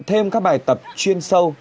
thêm các bài tập chuyên sâu